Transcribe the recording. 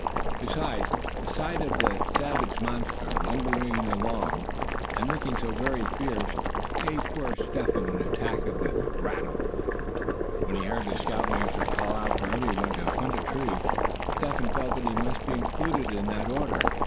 Besides, the sight of that savage monster lumbering along, and looking so very fierce, gave poor Step Hen an attack of the "rattles." When he heard the scoutmaster call out for every one to hunt a tree, Step Hen felt that he must be included in that order.